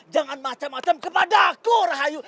jangan macam macam kepada aku rahayu